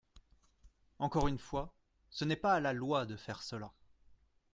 Encore une fois, ce n’est pas à la loi de faire cela.